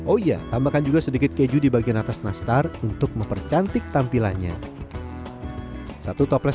oh iya tambahkan juga sedikit keju di bagian atas nastar untuk mempercantik tampilannya satu toples